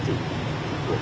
chúng tôi sẽ